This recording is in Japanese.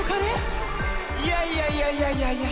「いやいやいやいやいやいや。